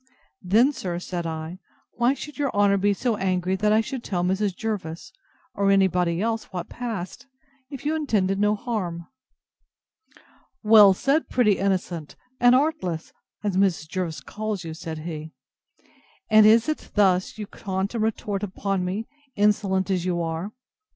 Then, sir, said I, why should your honour be so angry I should tell Mrs. Jervis, or any body else, what passed, if you intended no harm? Well said, pretty innocent and artless! as Mrs. Jervis calls you, said he; and is it thus you taunt and retort upon me, insolent as you are!